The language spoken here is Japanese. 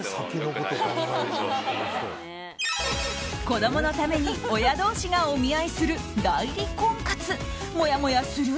子供のために親同士がお見合いする代理婚活もやもやする？